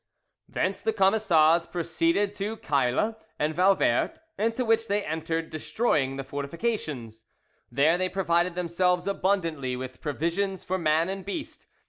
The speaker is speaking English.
Thence the Camisards proceeded to Cayla and Vauvert, into which they entered, destroying the fortifications. There they provided themselves abundantly with provisions for man and beast.